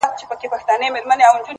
په زلفو ورا مه كوه مړ به مي كړې-